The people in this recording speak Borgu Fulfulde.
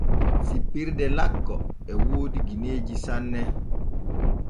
Sippirde lakko e woodi gineeji sanne.